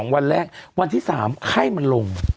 วันแรกวันที่๓ไข้มันลง